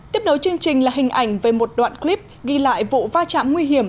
tiếp nối chương trình là hình ảnh về một đoạn clip ghi lại vụ va chạm nguy hiểm